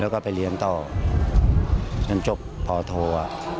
แล้วก็ไปเรียนต่อจนจบปโท